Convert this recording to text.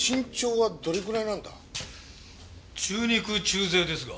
中肉中背ですが。